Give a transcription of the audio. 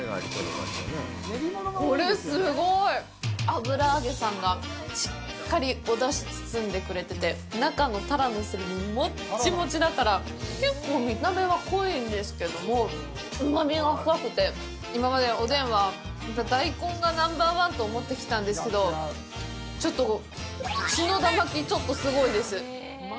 油揚げさんが、しっかりお出汁包んでくれてて中のタラのすり身、もっちもちだから結構見た目は濃いんですけどもうまみが深くて今まで、おでんは大根がナンバーワンと思ってきたんですけどしのだまきちょっとすごいです。